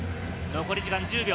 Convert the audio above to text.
残り時間は２０秒。